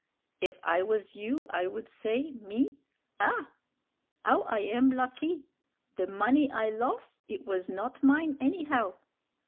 If I was you I would say, me, 'Ah! 'ow I am lucky! the money I los', it was not mine, anyhow!'